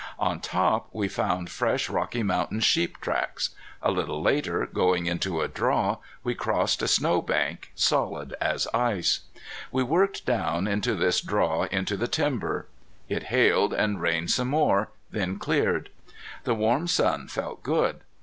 On top we found fresh Rocky Mountain sheep tracks. A little later, going into a draw, we crossed a snow bank, solid as ice. We worked down into this draw into the timber. It hailed, and rained some more, then cleared. The warm sun felt good.